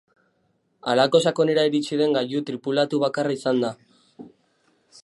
Halako sakonerara iritsi den gailu tripulatu bakarra izan da.